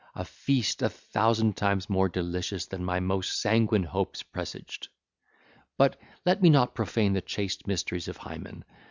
—a feast a thousand times more delicious than my most sanguine hopes presaged! But, let me not profane the chaste mysteries of Hymen.